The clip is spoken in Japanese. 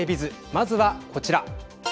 まずはこちら。